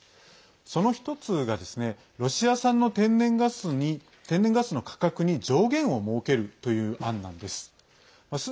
その１つがロシア産の天然ガスの価格に上限を設けるという案なんです。